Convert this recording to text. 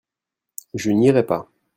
Je n'irai pas.